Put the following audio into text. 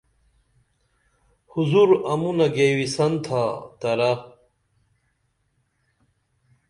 حضور امونہ گیوسن تھا ترہ